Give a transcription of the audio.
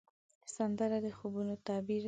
سندره د خوبونو تعبیر دی